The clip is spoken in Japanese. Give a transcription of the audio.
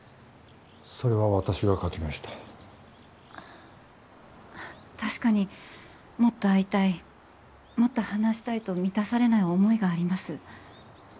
それは私が書きましたはあ確かにもっと会いたいもっと話したいと満たされない思いがあります